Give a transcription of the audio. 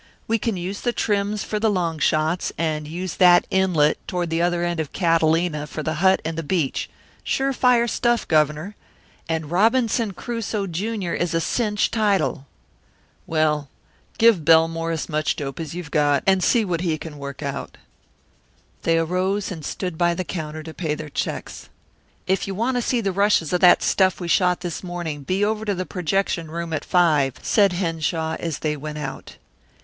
We can use the trims for the long shots, and use that inlet, toward the other end of Catalina for the hut and the beach; sure fire stuff, Governor and Robinson Crusoe, Junior is a cinch title." "Well, give Belmore as much dope as you've got, and see what he can work out." They arose and stood by the counter to pay their checks. "If you want to see the rushes of that stuff we shot this morning be over to the projection room at five," said Henshaw as they went out.